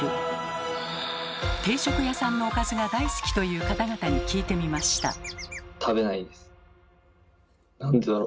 定食屋さんのおかずが大好きという方々に聞いてみました。